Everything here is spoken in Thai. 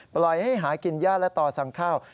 ปล่อยให้หากินย่าและต่อสั่งข้าว